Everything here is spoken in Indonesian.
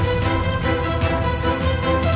saya akan menjaga kebenaran raden